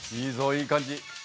いい感じ。